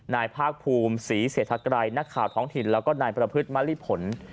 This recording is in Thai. นายภาคภูมิศรีเศรษฐกรัยนักข่าวท้องถิ่นแล้วก็นายประพฤติมะลิผล